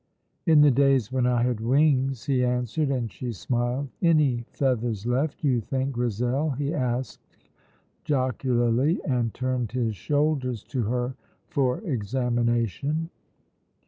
"In the days when I had wings," he answered, and she smiled. "Any feathers left, do you think, Grizel?" he asked jocularly, and turned his shoulders to her for examination.